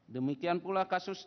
demikian pula kasus